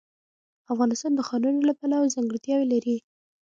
افغانستان د ښارونو له پلوه ځانګړتیاوې لري.